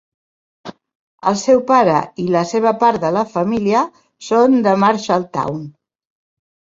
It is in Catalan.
El seu pare i la seva part de la família són de Marshalltown.